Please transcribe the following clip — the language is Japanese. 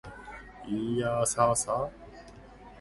いーやーさーさ